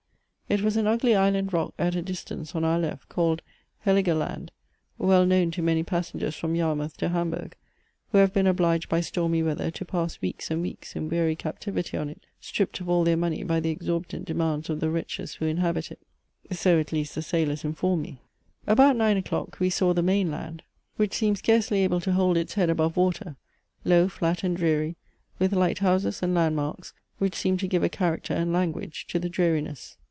It was an ugly island rock at a distance on our left, called Heiligeland, well known to many passengers from Yarmouth to Hamburg, who have been obliged by stormy weather to pass weeks and weeks in weary captivity on it, stripped of all their money by the exorbitant demands of the wretches who inhabit it. So at least the sailors informed me. About nine o'clock we saw the main land, which seemed scarcely able to hold its head above water, low, flat, and dreary, with lighthouses and land marks which seemed to give a character and language to the dreariness.